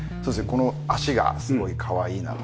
この脚がすごいかわいいなと思って。